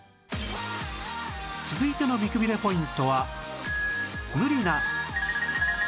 続いての美くびれポイントは